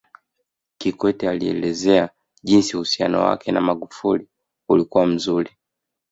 Kikwete alielezea jinsi uhusiano wake na Magufuli ulikuwa mzuri